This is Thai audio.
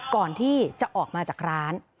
ก่อนที่จะออกมาจากร้าน